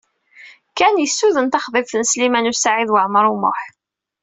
Ken yessuden taxḍibt n Sliman U Saɛid Waɛmaṛ U Muḥ.